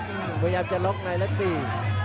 พยายามจะล็อกในแล้วตี